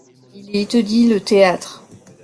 Il y étudie le théâtre.